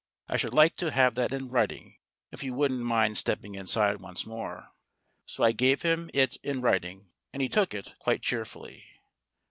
"I should like to have that in writing, if you wouldn't mind stepping inside once more." So I gave him it in writing, and he took it quite cheerfully.